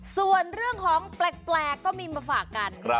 ส่วนเรื่องของแปลกก็มีมาฝากกัน